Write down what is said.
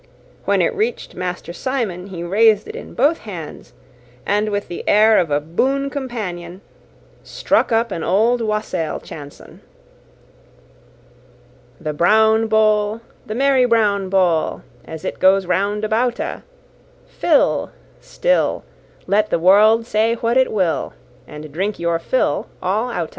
When it reached Master Simon he raised it in both hands, and with the air of a boon companion struck up an old Wassail chanson: The browne bowle, The merry browne bowle, As it goes round about a, Fill Still, Let the world say what it will, And drink your fill all out a.